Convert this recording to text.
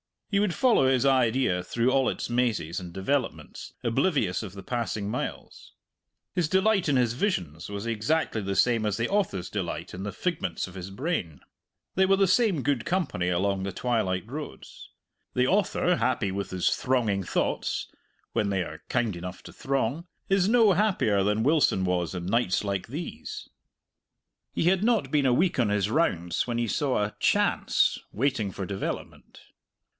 He would follow his idea through all its mazes and developments, oblivious of the passing miles. His delight in his visions was exactly the same as the author's delight in the figments of his brain. They were the same good company along the twilight roads. The author, happy with his thronging thoughts (when they are kind enough to throng), is no happier than Wilson was on nights like these. He had not been a week on his rounds when he saw a "chance" waiting for development.